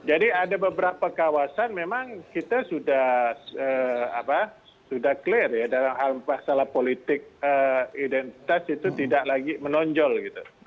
jadi ada beberapa kawasan memang kita sudah clear ya dalam hal hal salah politik identitas itu tidak lagi menonjol gitu